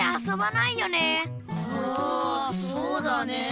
あそうだね。